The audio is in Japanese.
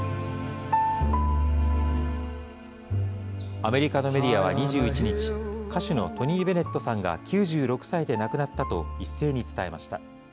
アメリカのメディアは２１日、歌手のトニー・ベネットさんが９６歳で亡くなったと一斉に伝えました。